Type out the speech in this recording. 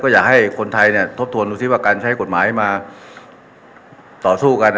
อย่าให้คนไทยทบทวนดูแลกันใช้กฏหมายต่อสู้กัน